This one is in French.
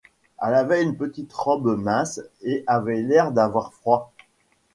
Elle avait une petite robe mince et avait l’air d’avoir froid.